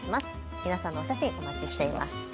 皆さんのお写真お待ちしています。